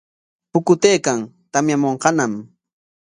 Pukutaykan, tamyamunqañam.